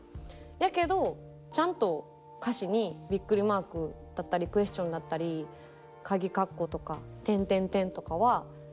やけどちゃんと歌詞にビックリマークだったりクエスチョンだったりかぎ括弧とかとかはつけます。